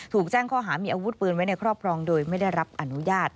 ถูกแจ้งข้อหามีอาวุธปืนไว้ในครอบครองโดยไม่ได้รับอนุญาต